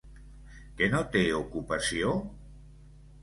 Que no té ocupació?